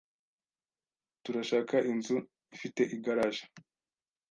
Turashaka inzu ifite igaraje.